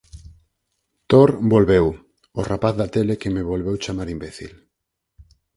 Thor, volveu. O rapaz da tele que me volveu chamar imbécil.